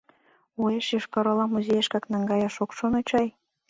Уэш Йошкар-Ола музейышкак наҥгаяш ок шоно чай?..